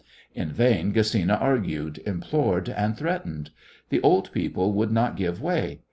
In vain Gesina argued, implored and threatened. The old people would not give way.